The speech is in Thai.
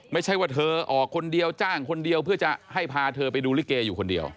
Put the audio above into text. ไม่ใช่ว่าเธอออกคนเดียวจ้างคนเดียวเพื่อจะให้พาเธอไปดูลิเกอยู่คนเดียว